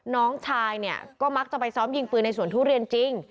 น้องชายเนี่ยก็มักจะไปซ้อมยิงปืนในสวนทุเรียนจริง